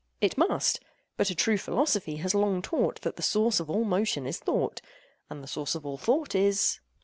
It must: but a true philosophy has long taught that the source of all motion is thought—and the source of all thought is— OINOS.